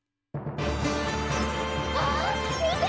あっみて！